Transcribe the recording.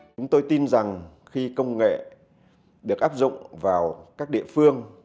chúng tôi tin rằng khi công nghệ được áp dụng vào các địa phương